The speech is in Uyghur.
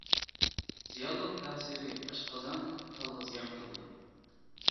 زىيانلىق تەسىرى ئاشقازان، تالغا زىيان قىلىدۇ.